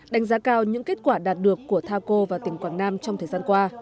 đánh giá cao những kết quả đạt được của thao cô và tỉnh quảng nam trong thời gian qua